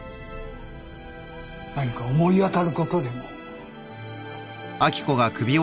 何か思い当たることでも？